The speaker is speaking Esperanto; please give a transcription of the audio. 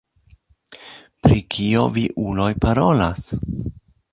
Pri kio vi uloj parolas?